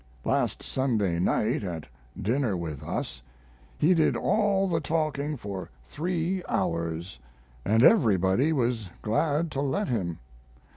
Last Sunday night, at dinner with us, he did all the talking for 3 hours, and everybody was glad to let him.